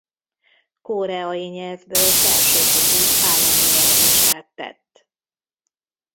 Koreai nyelvből felsőfokú állami nyelvvizsgát tett.